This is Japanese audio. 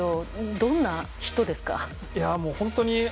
どんな人ですか？